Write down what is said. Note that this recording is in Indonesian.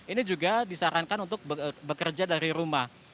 ini juga disarankan untuk bekerja dari rumah